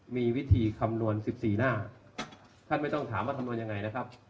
มีวิธีคำนวณ๑๔หน้าท่านไม่ต้องถามว่าคำนวณยังไงนะครับ